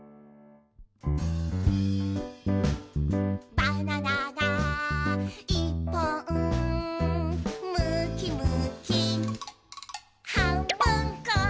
「バナナがいっぽん」「むきむきはんぶんこ！」